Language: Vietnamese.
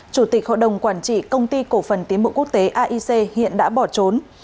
chủ tịch hội đồng quản trị công ty cổ phần tiến bộ quốc tế aic hiện đã bỏ trốn